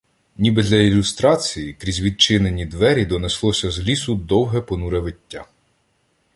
Ніби для ілюстрації, крізь відчинені двері донеслося з лісу довге понуре виття.